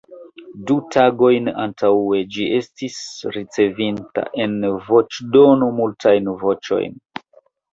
Du tagojn antaŭe, ĝi estas ricevinta, en voĉdono, multajn voĉojn.